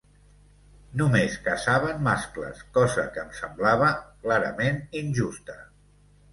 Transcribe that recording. Només caçaven mascles, cosa que em semblava clarament injusta.